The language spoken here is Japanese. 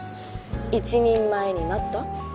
一人前になった？